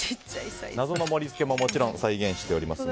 謎の盛り付けも再現しております。